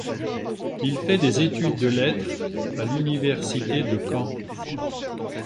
Il fait des études de lettres à l'université de Caen.